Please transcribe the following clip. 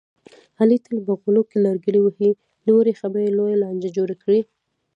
علي تل په غولو کې لرګي وهي، له وړې خبرې لویه لانجه جوړه کړي.